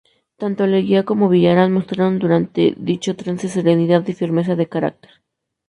Tanto Leguía como Villarán mostraron durante dicho trance serenidad y firmeza de carácter.